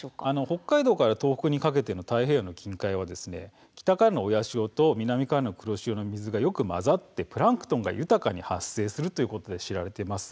北海道から東北にかけての太平洋の沿岸は北からの親潮と南からの黒潮の水がよく混ざってプランクトンが豊かに発生すると知られています。